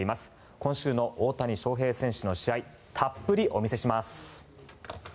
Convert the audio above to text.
今週の大谷翔平選手の試合たっぷりお見せします。